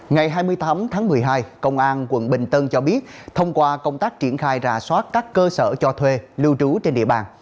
ngày hai mươi tám tháng một mươi hai công an quận bình tân cho biết thông qua công tác triển khai rà soát các cơ sở cho thuê lưu trú trên địa bàn